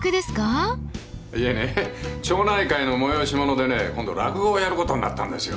いえね町内会の催し物でね今度落語をやることになったんですよ。